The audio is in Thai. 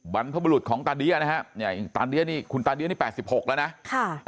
บรรพบรุษของตาเดี้ยนะครับคุณตาเดี้ยนี่๘๖แล้วนะ